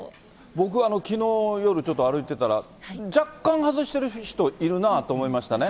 僕、きのうの夜ちょっと歩いてたら、若干外してる人いるなあと思いましたね。